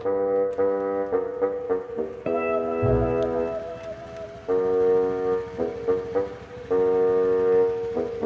kalau gitu akan mau ncuci dulu ya